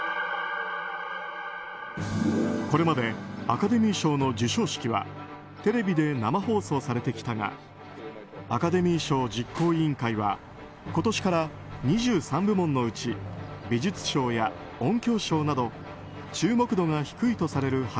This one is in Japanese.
これまでアカデミー賞の授賞式はテレビで生放送されてきたがアカデミー賞実行委員会は今年から２３部門のうち美術賞や音響賞など注目度が低いとされる